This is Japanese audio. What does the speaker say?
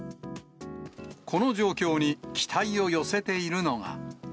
この状況に期待を寄せているのが。